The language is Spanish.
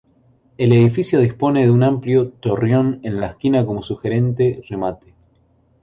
El edificio dispone de un amplio torreón en la esquina como sugerente remate.